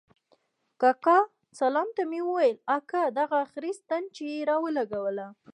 کاکا سالم ته مې وويل اكا دغه اخري ستن چې يې راولګوله.